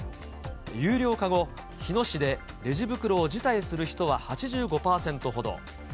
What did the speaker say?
有料化後、日野市でレジ袋を辞退する人は８５％ほど。